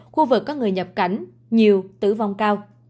khu vực có người nhập cảnh nhiều tử vong cao